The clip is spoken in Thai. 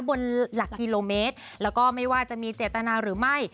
หลักกิโลเมตรแล้วก็ไม่ว่าจะมีเจตนาหรือไม่